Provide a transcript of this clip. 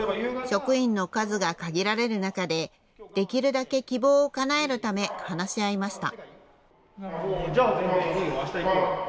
職員の数が限られる中で、できるだけ希望をかなえるため、話し合いました。